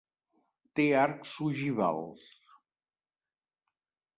Té arcs ogivals.